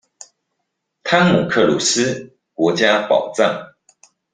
湯姆克魯斯國家寶藏